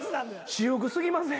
私服過ぎません？